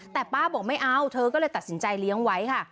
แต่ป้าบอกไม่เอาเธอก็เลยตัดสินใจเลี้ยงไว้ค่ะ